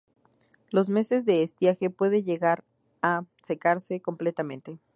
Los meses de estiaje puede llegar a secarse completamente.